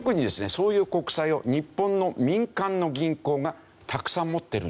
そういう国債を日本の民間の銀行がたくさん持っているんですね。